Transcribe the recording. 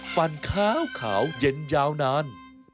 ฟันขาวเย็นยาวนาน